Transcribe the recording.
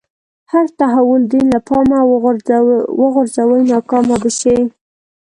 هر تحول دین له پامه وغورځوي ناکام به شي.